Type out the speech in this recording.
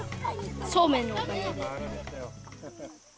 そうめんのおかげで。